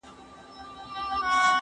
که وخت وي، کالي وچوم!.